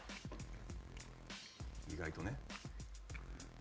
意外とね。